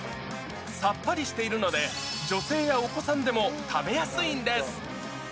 さっぱりしているので、女性やお子さんでも食べやすいんです。